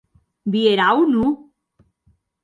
Vierà o non?